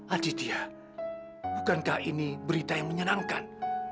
aditya bukankah ini berita yang menyenangkan